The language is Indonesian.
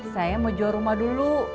saya mau jual rumah dulu